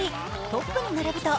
トップに並ぶと